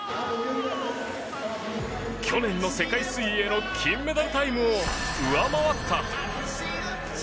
去年の世界水泳の金メダルタイムを上回った。